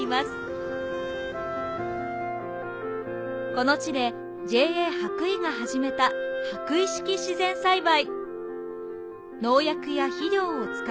この地でＪＡはくいが始めたはくい式自然栽培。